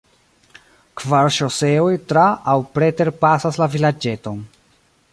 Kvar ŝoseoj tra- aŭ preter-pasas la vilaĝeton.